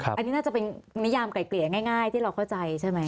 อันนี้น่าจะเป็นนิยามไกลเกลี่ยง่ายที่เราเข้าใจใช่ไหม